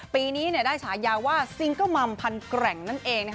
ปีนี้ได้ฉายาว่าซิงเกิลมัมพันแกร่งนั่นเอง